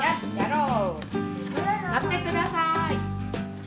のってください。